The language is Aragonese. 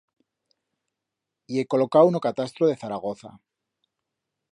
Ye colocau n'o catastro de Zaragoza.